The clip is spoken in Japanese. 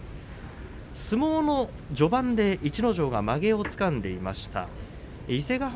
相撲の序盤で逸ノ城がまげをつかんでいました。